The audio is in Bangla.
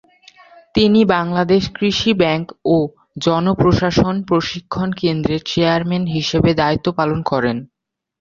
তিনি বাংলাদেশ কৃষি ব্যাংক ও জন প্রশাসন প্রশিক্ষণ কেন্দ্রের চেয়ারম্যান হিসেবে দায়িত্ব পালন করেন।